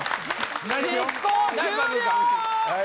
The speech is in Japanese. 執行終了！